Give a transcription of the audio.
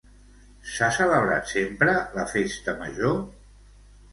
S'ha celebrat sempre la festa major?